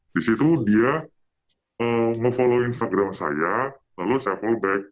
di situ dia nge follow instagram saya lalu saya fall back